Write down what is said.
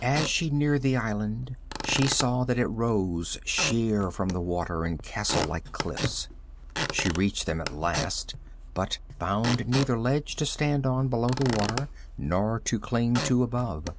As she neared the island, she saw that it rose sheer from the water in castle like cliffs. She reached them at last, but found neither ledge to stand on below the water, not to cling to above.